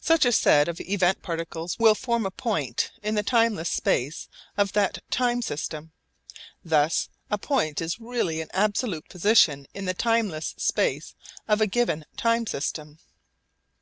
Such a set of event particles will form a point in the timeless space of that time system. Thus a point is really an absolute position in the timeless space of a given time system.